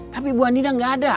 tapi ibu anida nggak ada